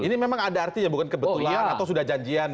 ini memang ada artinya bukan kebetulan atau sudah janjian